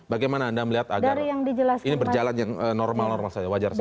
bagaimana anda melihat agar ini berjalan yang normal normal saja wajar saja